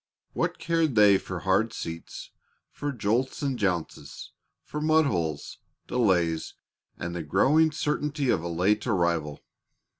What cared they for hard seats, for jolts and jounces, for mud holes, delays, and the growing certainty of a late arrival?